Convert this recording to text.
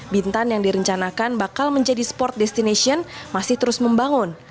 bintan yang direncanakan bakal menjadi sport destination masih terus membangun